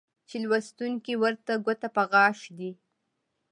چې لوستونکى ورته ګوته په غاښ دى